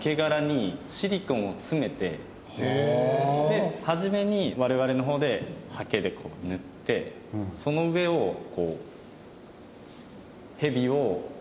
で初めに我々の方でハケでこう塗ってその上をこうヘビを。